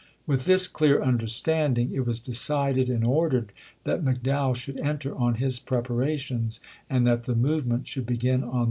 '" With this clear understanding it was decided and ordered that McDowell should enter on his preparations, and that the movement should begin on the 9th of July.